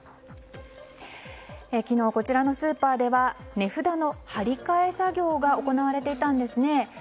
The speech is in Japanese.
昨日、こちらのスーパーでは値札の貼り替え作業が行われていたんですね。